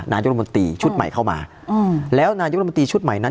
นายกรมนตรีชุดใหม่เข้ามาอืมแล้วนายกรมนตรีชุดใหม่นั้น